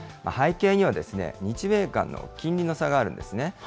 背景にはですね、日米間の金利の差があるんですね。